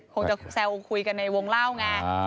คงจะแซวคุยกันในวงเล่าไง